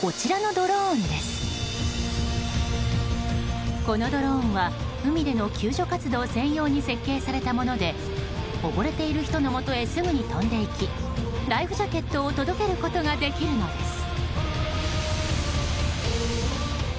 このドローンは海での救助活動専用に設計されたもので溺れている人のもとへすぐに飛んでいきライフジャケットを届けることができるのです。